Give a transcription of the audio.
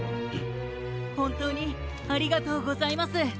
ほんとうにありがとうございます。